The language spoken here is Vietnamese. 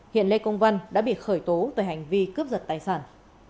hiện lê công văn đã bị khởi tố về hành vi cướp giật tài sản